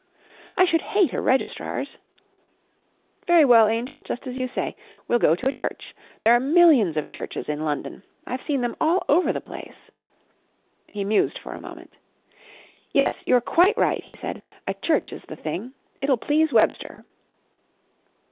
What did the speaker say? "I should hate a registrar's." "Very well, angel. Just as you say. We'll go to a church. There are millions of churches in London. I've seen them all over the place." He mused for a moment. "Yes, you're quite right," he said. "A church is the thing. It'll please Webster."